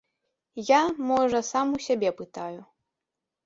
Я, можа, сам у сябе пытаю?